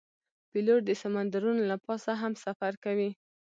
پیلوټ د سمندرونو له پاسه هم سفر کوي.